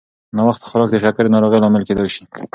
ناوخته خوراک د شکرې د ناروغۍ لامل کېدای شي.